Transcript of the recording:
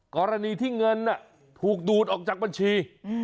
กรณีที่เงินถูกดูดออกจากบัญชี